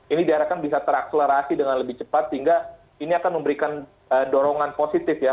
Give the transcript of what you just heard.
ini daerah kan bisa terakselerasi dengan lebih cepat sehingga ini akan memberikan dorongan positif ya